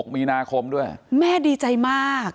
มีนาคมด้วยแม่ดีใจมาก